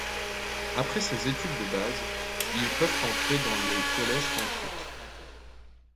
Après ces études de base, ils peuvent entrer dans les collèges tantriques.